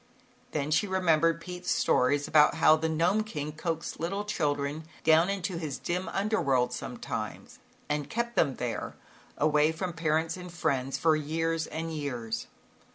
Then she remembered Pete's stories about how the Gnome King coaxed little children down into his dim under world sometimes and kept them there, away from parents and friends for years and years.